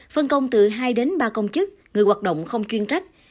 phân công từ hai đến ba công chức người hoạt động không chuyên trách